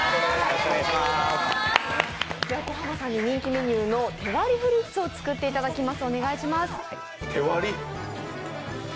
小濱さんに人気メニューの手割りフリッツを作っていただきます。